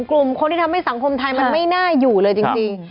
กลุ่มคนที่ทำให้สังคมไทยมันไม่น่าอยู่เลยจริง